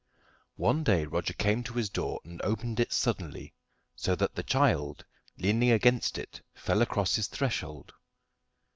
One day Roger came to his door and opened it suddenly, so that the child, leaning against it, fell across his threshold.